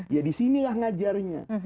ya disinilah ngajarnya